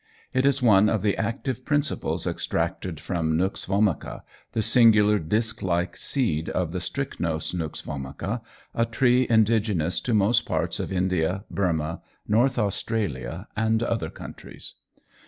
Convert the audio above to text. It is one of the active principles extracted from nux vomica, the singular disk like seed of the Strychnos nux vomica, a tree indigenous to most parts of India, Burmah, Northern Australia, and other countries.